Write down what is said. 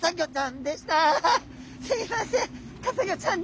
すいません